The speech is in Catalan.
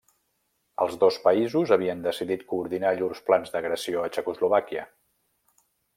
Els dos països havien decidit coordinar llurs plans d'agressió a Txecoslovàquia.